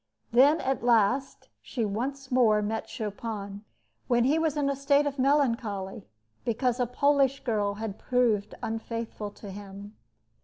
Then at last she once more met Chopin, when he was in a state of melancholy, because a Polish girl had proved unfaithful to him.